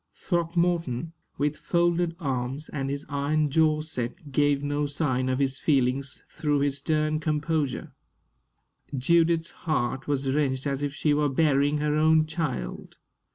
Throckmorton, with folded arms and his iron jaw set, gave no sign of his feelings through his stern composure. Judith's heart was wrenched as if she were burying her own child.